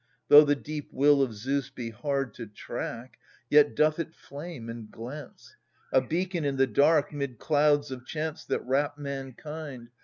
Though the deep will of Zeus be hard to track, Yet doth it flame and glance, /^^ A beacon in the dark, 'mid clouds of chance That wrap mankind.